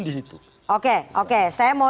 disitu oke oke saya mau